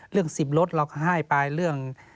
เรื่องสิบลดเราให้ไปเรื่อง